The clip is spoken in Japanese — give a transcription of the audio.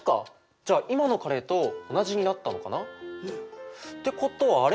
じゃあ今のカレーと同じになったのかな？ってことはあれ？